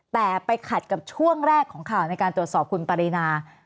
แต่ไปขัดกับช่วงแรกของข่าวในการตรวจสอบคุณปรินา